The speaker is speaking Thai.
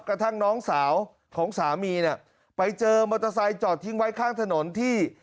กระทั่งน้องสาวของสามีเนี่ยไปเจอมอเตอร์ไซค์จอดทิ้งไว้ข้างถนนที่